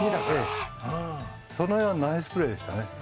それはナイスプレーでしたね。